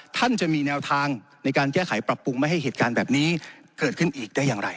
ท่านจะมีแนวทางในการแก้ไขปรับปรุงไม่ให้เหตุการณ์แบบนี้เกิดขึ้นอีกได้อย่างไร